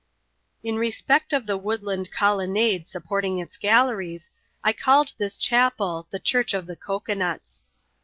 In respect of the woodland colonnade supporting its galleries, I called this chapel the Church of the Cocoa nuts.